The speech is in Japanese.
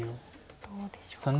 どうでしょうか。